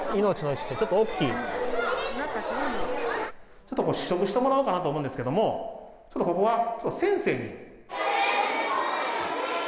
ちょっと試食してもらおうかなと思うんですけどもちょっとここは先生に。